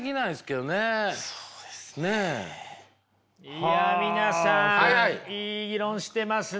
いや皆さんいい議論してますね。